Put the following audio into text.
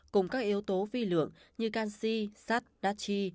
cùng các yếu tố vi lượng như canxi sắt đa chi